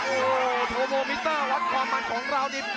โอ้โหโทโมมิเตอร์วัดความมันของเรานี่